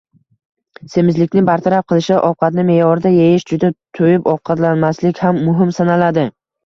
Semizlikni bartaraf qilishda ovqatni me’yorida yeyish, juda to‘yib ovqatlanmaslik ham muhim sanaladi.